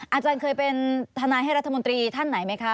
อาจารย์เคยเป็นทนายให้รัฐมนตรีท่านไหนไหมคะ